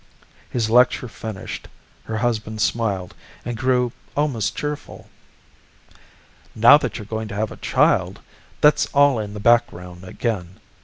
His lecture finished, her husband smiled and grew almost cheerful. "Now that you're going to have a child, that's all in the background again.